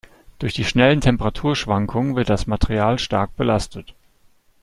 Durch die schnellen Temperaturschwankungen wird das Material stark belastet.